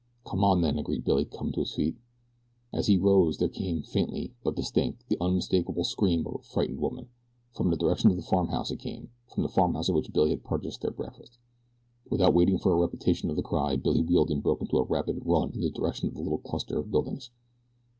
"Come on, then," agreed Billy, coming to his feet. As he rose there came, faintly, but distinct, the unmistakable scream of a frightened woman. From the direction of the farmhouse it came from the farmhouse at which Billy had purchased their breakfast. Without waiting for a repetition of the cry Billy wheeled and broke into a rapid run in the direction of the little cluster of buildings.